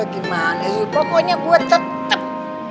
gimana pokoknya gue tetep